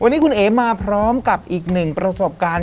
วันนี้คุณเอ๋มาพร้อมกับอีกหนึ่งประสบการณ์